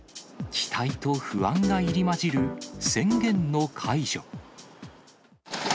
期待と不安が入り混じる宣言の解除。